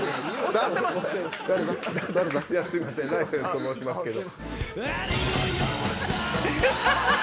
ライセンスと申しますけど。